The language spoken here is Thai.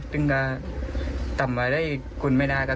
จึงทำอะไรที่คุณไม่ได้นะ